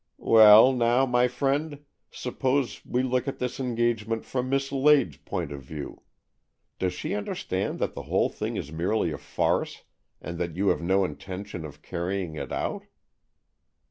"Well now, my friend, suppose we look at this engagement from Miss Lade's point of view. Does she understand that the whole thing is merely a farce, and that you have no intention of carrying it out?"